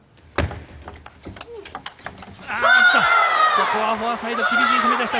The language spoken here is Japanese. ここはフォアサイド厳しい攻めでした。